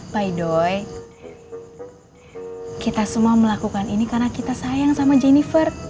by doy kita semua melakukan ini karena kita sayang sama jennifer